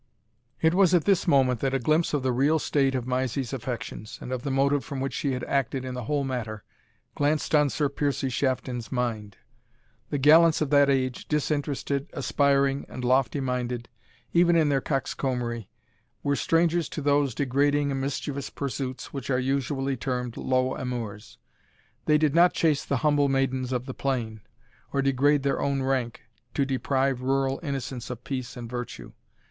It was at this moment that a glimpse of the real state of Mysie's affections, and of the motive from which she had acted in the whole matter, glanced on Sir Piercie Shafton's mind. The gallants of that age, disinterested, aspiring, and lofty minded, even in their coxcombry, were strangers to those degrading and mischievous pursuits which are usually termed low amours. They did not "chase the humble maidens of the plain," or degrade their own rank, to deprive rural innocence of peace and virtue.